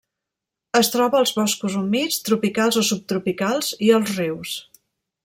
Es troba als boscos humits tropicals o subtropicals i als rius.